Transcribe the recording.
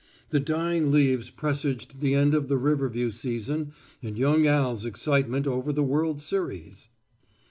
the dying leaves presaged the end of the Riverview season and young Al's excitement over the world's series.